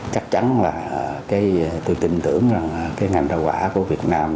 chắc chắn là tôi tin tưởng rằng cái ngành rau quả của việt nam